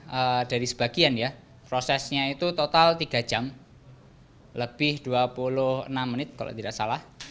nah dari sebagian ya prosesnya itu total tiga jam lebih dua puluh enam menit kalau tidak salah